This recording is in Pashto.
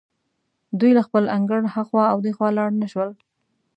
دوی له خپل انګړه هخوا او دېخوا لاړ نه شول.